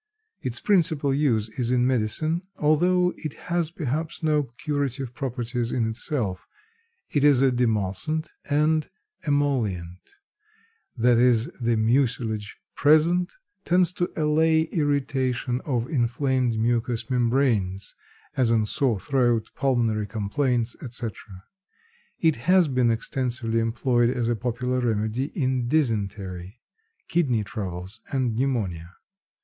Its principal use is in medicine, although it has perhaps no curative properties in itself. It is a demulcent and emollient, that is the mucilage present tends to allay irritation of inflamed mucous membranes as in sore throat, pulmonary complaints, etc. It has been extensively employed as a popular remedy in dysentery, kidney troubles and pneumonia.